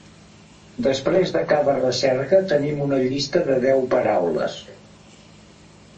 Després de cada recerca tenim una llista de deu paraules.